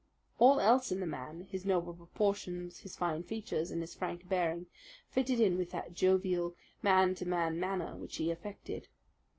All else in the man his noble proportions, his fine features, and his frank bearing fitted in with that jovial, man to man manner which he affected.